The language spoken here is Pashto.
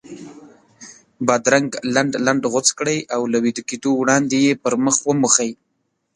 بادرنګ لنډ لنډ غوڅ کړئ او له ویده کېدو وړاندې یې پر مخ وموښئ.